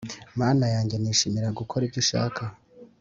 Mana yanjye nishimira gukora ibyo ushaka